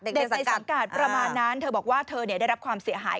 ในสังกัดประมาณนั้นเธอบอกว่าเธอได้รับความเสียหาย